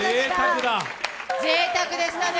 ぜいたくでしたね。